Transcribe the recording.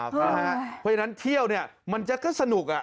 เพราะฉะนั้นเที่ยวเนี่ยมันจะก็สนุก